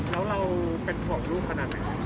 แล้วเราเป็นห่วงลูกเพราะนั้นไหม